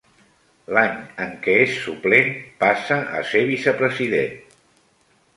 L'any en què és suplent passa a ser vicepresident.